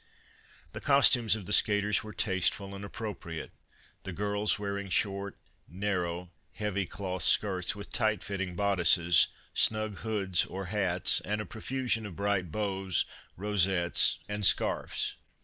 The costumes of the skaters were tasteful and appropriate, the girls wearing short, narrow, heavy cloth skirts, with tight fitting bodices, snug hoods or hats, and a profusion of bright bows, rosettes and scarfs.